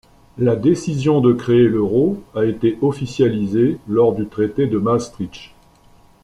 La décision de créer l'euro a été officialisée lors du traité de Maastricht.